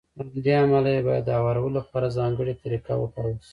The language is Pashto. له همدې امله يې بايد د هوارولو لپاره ځانګړې طريقه وکارول شي.